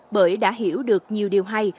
bởi đã hiểu được nhiều điều hay